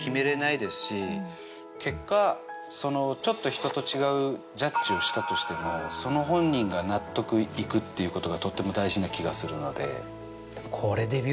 結果ちょっと人と違うジャッジをしたとしてもその本人が納得いくっていうことがとっても大事な気がするので。